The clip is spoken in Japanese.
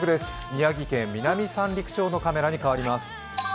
宮城県南三陸町の空に変わります。